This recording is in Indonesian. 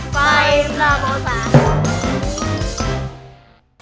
paham pak ustadz